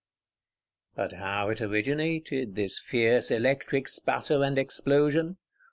But how it originated, this fierce electric sputter and explosion?